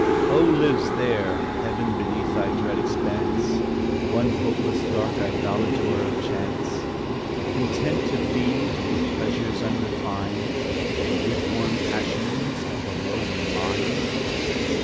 Oh! lives there, Heaven, beneath thy dread expanse, One hopeless, dark idolator of chance, Content to feed, with pleasures unrefined The lukewarm passions of a lowly mind?